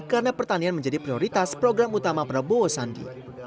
karena pertanian menjadi prioritas program utama prabowo sandi